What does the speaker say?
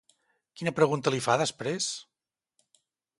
Quina pregunta li fa després?